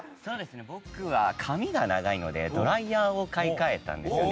僕は、髪が長いのでドライヤーを買い替えたんですよね。